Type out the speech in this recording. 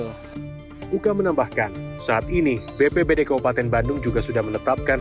ukasus kapuji utama optimis menambahkan saat ini bpbd kabupaten bandung juga sudah menetapkan